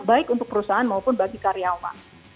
baik untuk perusahaan maupun bagi karyawan